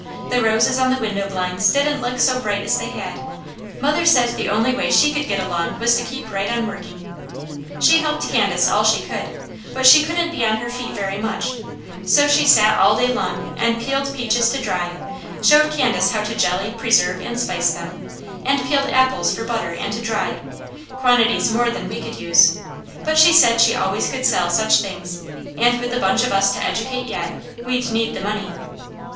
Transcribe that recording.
The roses on the window blinds didn't look so bright as they had; mother said the only way she could get along was to keep right on working. She helped Candace all she could, but she couldn't be on her feet very much, so she sat all day long and peeled peaches to dry, showed Candace how to jelly, preserve, and spice them, and peeled apples for butter and to dry, quantities more than we could use, but she said she always could sell such things, and with the bunch of us to educate yet, we'd need the money.